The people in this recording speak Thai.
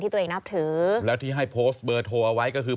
ตัวเองนับถือแล้วที่ให้โพสต์เบอร์โทรเอาไว้ก็คือ